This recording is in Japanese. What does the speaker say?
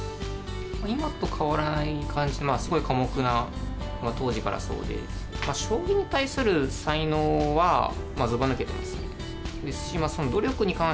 今と変わらない感じ、すごい寡黙な、当時からそうで、将棋に対する才能はずば抜けてます。